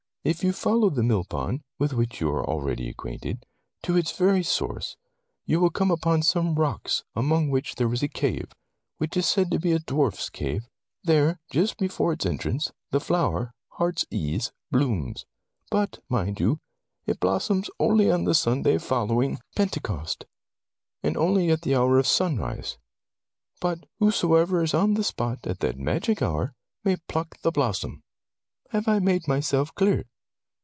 If you follow the mill pond, with which you are already acquainted, to its very source, you will come upon some rocks among which there is a cave, which is said to be a dwarf's cave. There, just before its entrance, the flower, heartsease, blooms. But, mind you, it blossoms only on the Sunday following Tales of Modern Germany 19 Pentecost, and only at the hour of sunrise. But whosoe'er is on the spot at that magic hour, may pluck the blossom. Have I made myself clear